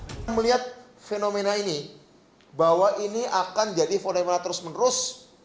kita melihat fenomena ini bahwa ini akan jadi fenomena terus menerus